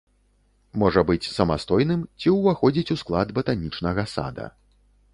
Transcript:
Можа быць самастойным ці уваходзіць у склад батанічнага сада.